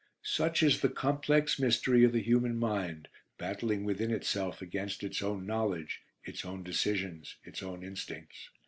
Such is the complex mystery of the human mind, battling within itself against its own knowledge, its own decisions, its own instincts.